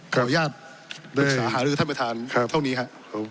ขออนุญาตปรึกษาหารือท่านประธานเท่านี้ครับ